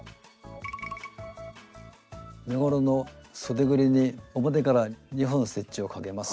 身ごろのそでぐりに表から２本ステッチをかけます。